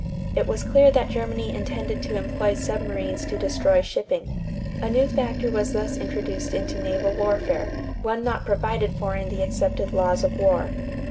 It was clear that Germany intended to employ submarines to destroy shipping. A new factor was thus introduced into naval warfare, one not provided for in the accepted laws of war.